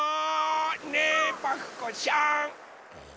ねえパクこさん！